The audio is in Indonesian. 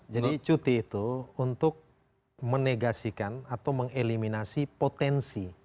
jadi cuti itu untuk menegasikan atau mengeliminasi potensi